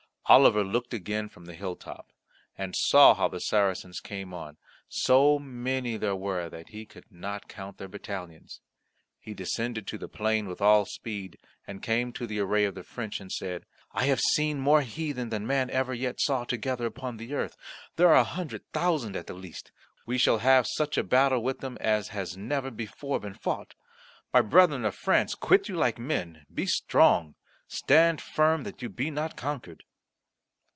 Oliver looked again from the hilltop, and saw how the Saracens came on. So many there were that he could not count their battalions. He descended to the plain with all speed, and came to the array of the French, and said, "I have seen more heathen than man ever yet saw together upon the earth. There are a hundred thousand at the least. We shall have such a battle with them as has never before been fought. My brethren of France, quit you like men, be strong; stand firm that you be not conquered."